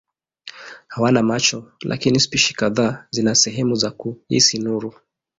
Hawana macho lakini spishi kadhaa zina sehemu za kuhisi nuru.